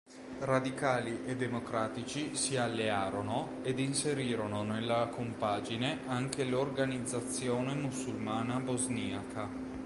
Radicali e democratici si allearono ed inserirono nella compagine anche l'Organizzazione Musulmana bosniaca.